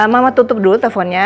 mama tutup dulu teleponnya